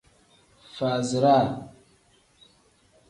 Faaziraa.